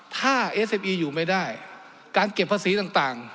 ถ้าเอสเอ็มอีอยู่ไม่ได้การเก็บภาษีต่าง